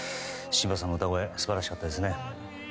榛葉さんの歌声素晴らしかったですね。